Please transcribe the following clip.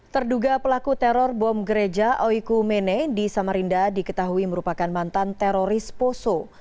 terduga pelaku teror bom gereja oiku mene di samarinda diketahui merupakan mantan teroris poso